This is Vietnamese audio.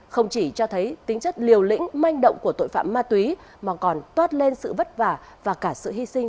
không chỉ cho thấy tính chất liều lĩnh manh động của tội phạm ma túy mà còn toát lên sự vất vả và cả sự hy sinh